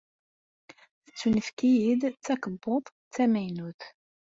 Tettunefk-iyi-d tkebbuḍt tamaynut.